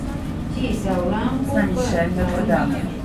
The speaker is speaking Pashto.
چې د وړانګو په تارونو